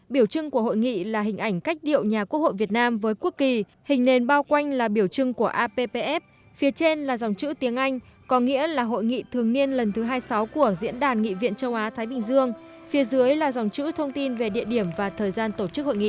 biểu trưng của hội nghị là hình ảnh cách điệu nhà quốc hội việt nam với quốc kỳ hình nền bao quanh là biểu trưng của appf phía trên là dòng chữ tiếng anh có nghĩa là hội nghị thường niên lần thứ hai mươi sáu của diễn đàn nghị viện châu á thái bình dương phía dưới là dòng chữ thông tin về địa điểm và thời gian tổ chức hội nghị